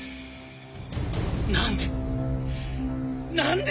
なんで！？